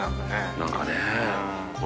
何かねぇ。